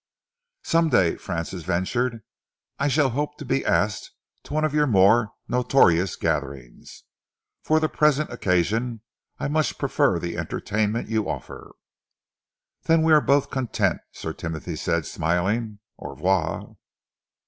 "Some day," Francis ventured, "I shall hope to be asked to one of your more notorious gatherings. For the present occasion I much prefer the entertainment you offer." "Then we are both content," Sir Timothy said, smiling. "Au revoir!"